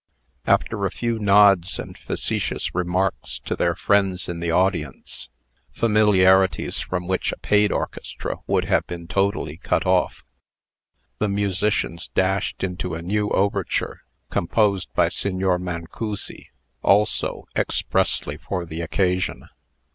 After a few nods and facetious remarks to their friends in the audience (familiarities from which a paid orchestra would have been totally cut off), the musicians dashed into a new overture, composed by Signor Mancussi, also "expressly for the occasion."